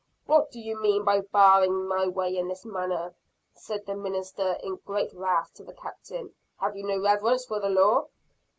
"What do you mean by barring my way in this manner?" said the minister in great wrath to the captain. "Have you no reverence for the law?"